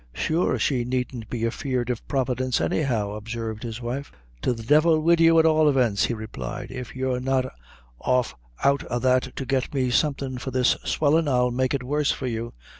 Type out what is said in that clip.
"Sure she needn't be afeard of Providence, any how," observed his wife. "To the divil wid you, at all events," he replied; "if you're not off out o' that to get me somethin' for this swellin' I'll make it worse for you."